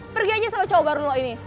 pergi aja sama cowok baru lo ini